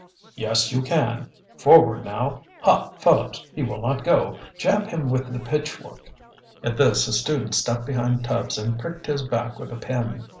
"Yes, you can. Forward now! Ha, fellows, he will not go. Jab him with the pitchfork!" At this a student stepped behind Tubbs and pricked his back with a pin.